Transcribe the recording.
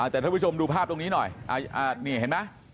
แต่ท่านผู้ชมดูภาพตรงนี้หน่อยนี่เห็นไหม